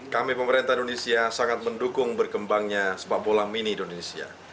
kami pemerintah indonesia sangat mendukung berkembangnya sepak bola mini indonesia